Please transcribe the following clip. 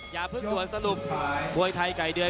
อย่าเพิ่งด่วนสรุปมวยไทยไก่เดือน